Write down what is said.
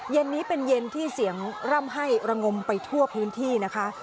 เย็นนี้เป็นเย็นที่เสียงร่ำให้ระงมไปทั่วพื้นที่นะคะ